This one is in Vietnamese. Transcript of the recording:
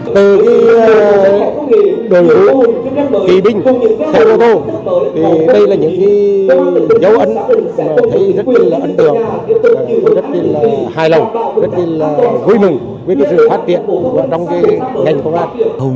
từ đồ đu kỳ binh xe ô tô đây là những dấu ấn rất ấn tượng rất hài lòng rất vui mừng với sự phát triển trong ngành công an